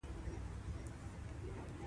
د دې سندرې سروکي اوس هم کندهار کې استعمالوي.